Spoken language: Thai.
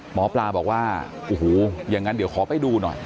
หมอปลาบอกว่าโอ้โหอย่างนั้นเดี๋ยวขอไปดูหน่อย